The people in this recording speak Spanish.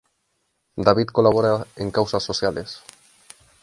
David colabora en causas sociales.